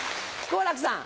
好楽さん。